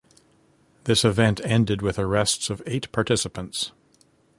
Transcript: This event ended with arrests of eight participants.